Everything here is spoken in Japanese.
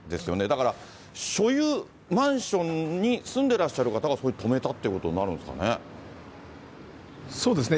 だから所有、マンションに住んでらっしゃる方がそこに止めたってそうですね。